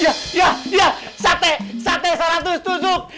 iya iya iya sate sate seratus dosuk